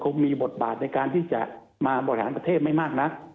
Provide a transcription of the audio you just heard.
มีบทบาทในการที่จะมาบริหารประเทศไม่มากนัก